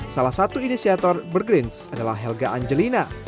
salah satu inisiator burgrins adalah helga angelina